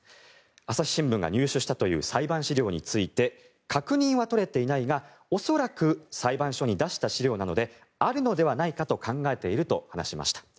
朝日新聞が入手したという裁判資料について確認は取れていないが恐らく裁判所に出した資料なのであるのではないかと考えていると話しました。